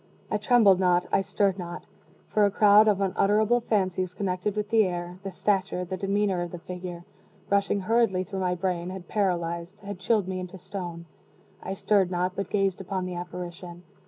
I trembled not I stirred not for a crowd of unutterable fancies connected with the air, the stature, the demeanor, of the figure, rushing hurriedly through my brain, had paralyzed had chilled me into stone. I stirred not but gazed upon the apparition.